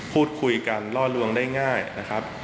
พูดคุยกันล่อลวงได้ง่ายนะครับ